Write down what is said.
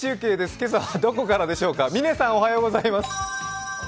今朝はどこからでしょうか？